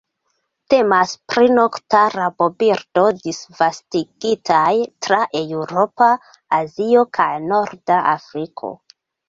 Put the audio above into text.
Temas pri nokta rabobirdo, disvastigitaj tra Eŭropo, Azio kaj norda Afriko.